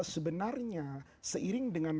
sebenarnya seiring dengan